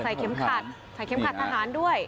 แล้วนี่สายเค็มขาดทหารด้วย